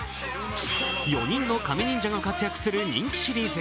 ４人のカメ忍者が活躍する人気シリーズ。